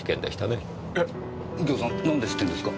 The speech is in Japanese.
えっ右京さんなんで知ってんですか？